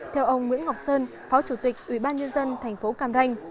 theo ông nguyễn ngọc sơn phó chủ tịch ủy ban nhân dân thành phố cam ranh